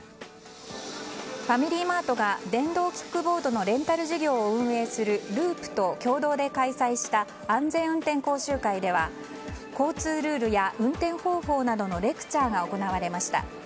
ファミリーマートが電動キックボードのレンタル事業を運営するＬＵＵＰと共同で開催した安全運転講習会では交通ルールや運転方法などのレクチャーが行われました。